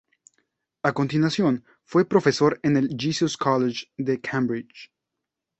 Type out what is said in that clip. A continuación, fue profesor en el Jesus College de Cambridge.